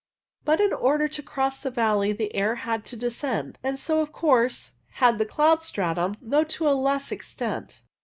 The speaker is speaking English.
But in order to cross the valley the air had to descend, and so, of course, had the cloud stratum, though to a less extent.